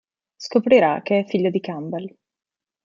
Scoprirà che è il figlio di Campbell.